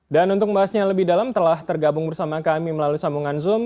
dan untuk bahasnya lebih dalam telah tergabung bersama kami melalui sambungan zoom